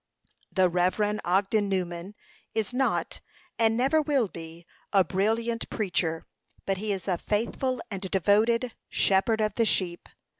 The Rev. Ogden Newman is not, and never will be, a brilliant preacher; but he is a faithful and devoted "shepherd of the sheep."